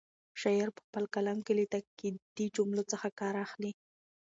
شاعر په خپل کلام کې له تاکېدي جملو څخه کار اخلي.